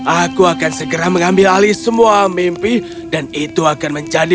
aku akan segera mengambil alih semua mimpi dan itu akan menjadi